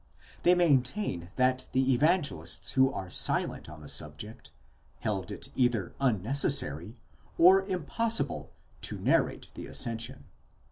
They maintain that the Evangelists who are silent on the subject, held it either unnecessary, or impossible, to narrate the ascension.